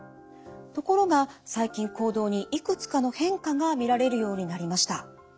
ところが最近行動にいくつかの変化が見られるようになりました。